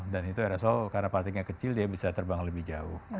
dan itu aerosol karena partikannya kecil dia bisa terbang lebih jauh